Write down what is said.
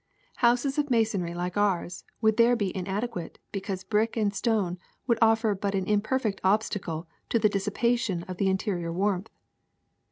Houses of masonry like ours would there be inadequate, be cause brick and stone would offer but an imperfect obstacle to the dissipation of the interior warmth.